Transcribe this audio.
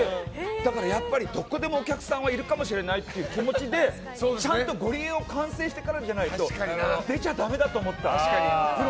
だからやっぱりどこでもお客さんはいるかもしれないっていう気持ちでちゃんとゴリエを完成してからじゃないと出ちゃだめだと思った。